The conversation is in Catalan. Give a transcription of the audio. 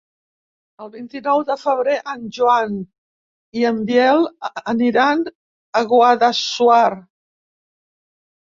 El vint-i-nou de febrer en Joan i en Biel aniran a Guadassuar.